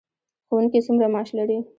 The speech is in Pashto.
ښوونکي څومره معاش لري؟